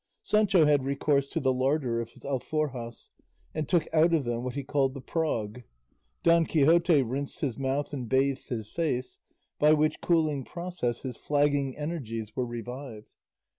Sancho had recourse to the larder of his alforjas and took out of them what he called the prog; Don Quixote rinsed his mouth and bathed his face, by which cooling process his flagging energies were revived.